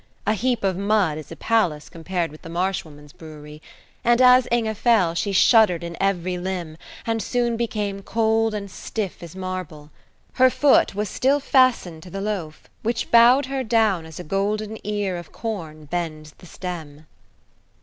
A heap of mud is a palace compared with the Marsh Woman's brewery; and as Inge fell she shuddered in every limb, and soon became cold and stiff as marble. Her foot was still fastened to the loaf, which bowed her down as a golden ear of corn bends the stem.